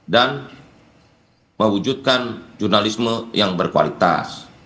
dan mewujudkan jurnalisme yang berkualitas